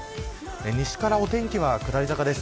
西からお天気は下り坂です。